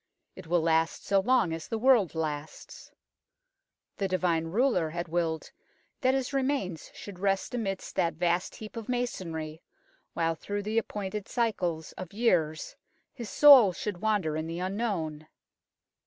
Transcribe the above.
It will last so long as the world lasts. The divine ruler had willed that his remains should rest amidst that vast heap of masonry, while through the ap pointed cycles of years his soul should wander in the unknown.